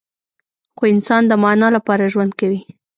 خو انسان د معنی لپاره ژوند کوي.